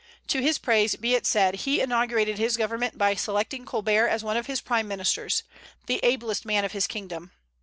To his praise be it said, he inaugurated his government by selecting Colbert as one of his prime ministers, the ablest man of his kingdom.